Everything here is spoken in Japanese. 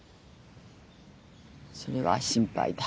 それは心配だ。